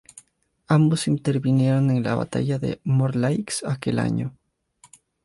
Ambos intervinieron en la batalla de Morlaix aquel año.